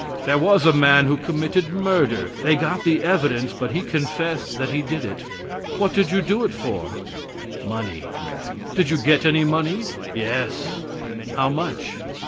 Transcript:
There was a man who committed murder. They got the evidence, but he confessed that he did it. "What did you do it for?" "Money." "Did you get any money?" "Yes." "How much?"